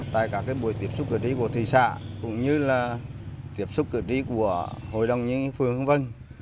tại các cái buổi tiếp xúc cử tri của thị xã cũng như là tiếp xúc cử tri của hội đồng nhân dân phường hương văn